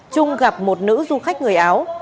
trung gặp một nữ du khách người áo